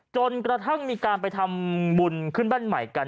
จนกระทั่งมีการไปทำบุญขึ้นบ้านใหม่กัน